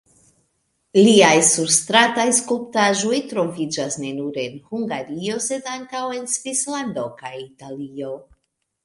Liaj surstrataj skulptaĵoj troviĝas ne nur en Hungario, sed ankaŭ en Svislando kaj Italio.